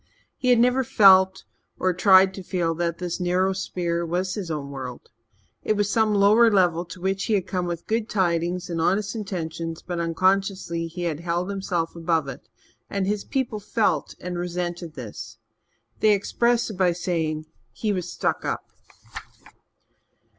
He had never felt, or tried to feel, that this narrow sphere was his own world. It was some lower level to which he had come with good tidings and honest intentions but, unconsciously, he had held himself above it, and his people felt and resented this. They expressed it by saying he was "stuck up."